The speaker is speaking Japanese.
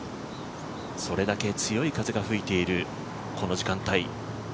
それだけ強い風が吹いている、この時間帯。